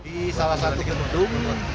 di salah satu gedung